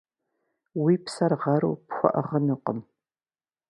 Уи псэр гъэру пхуэӏыгъынукъым.